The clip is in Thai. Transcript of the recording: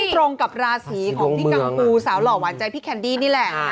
ตรงกับราศีของพี่กัมพูสาวหล่อหวานใจพี่แคนดี้นี่แหละ